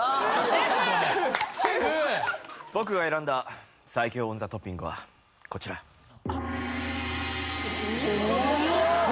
僕が選んだ最強オンザトッピングはこちら・えっ・何？